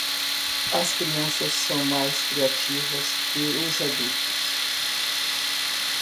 As crianças são mais criativas que os adultos?